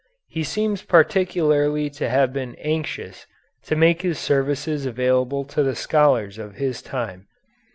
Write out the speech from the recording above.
He seems particularly to have been anxious to make his services available to the scholars of his time.